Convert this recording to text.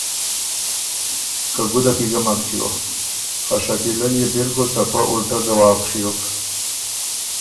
که ګُده کی ګۀ مک چیو۔ خه شکیلۀ ليې بالکل ته پۀ اُلټۀ ځواب ڒیوک۔